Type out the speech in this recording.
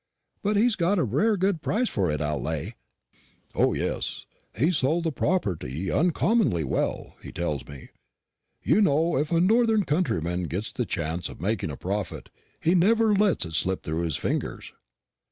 But he got a rare good price for it, I'll lay." "O, yes; he sold the property uncommonly well, he tells me. You know if a north countryman gets the chance of making a profit, he never lets it slip through his fingers."